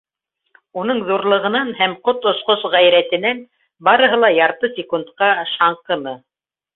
Уның ҙурлығынан һәм ҡот осҡос ғәйрәтенән барыһы ла ярты секундҡа шаңҡыны.